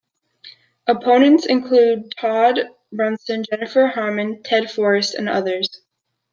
Opponents included Todd Brunson, Jennifer Harman, Ted Forrest, and others.